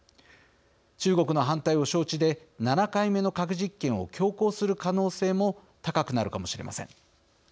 中国の反対を承知で７回目の核実験を強行する可能性も高くなるかもしれません。